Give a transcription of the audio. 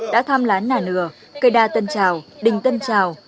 đã tham lán nà nửa cây đa tân trào đình tân trào